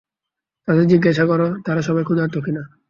তাদের জিজ্ঞাসা কর তারা সবাই ক্ষুধার্ত কিনা।